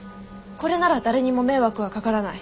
これなら誰にも迷惑はかからない。